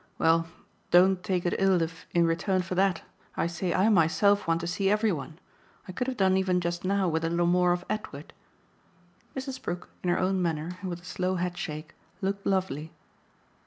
"Well, don't take it ill if, in return for that, I say I myself want to see every one. I could have done even just now with a little more of Edward." Mrs. Brook, in her own manner and with a slow headshake, looked lovely.